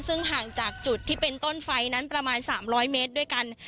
ซึ่งห่างจากจุดที่เป็นต้นไฟนั้นประมาณ๓๐๐เมตรด้วยกัน